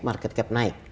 market cap naik